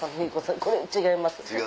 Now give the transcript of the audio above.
これ違います。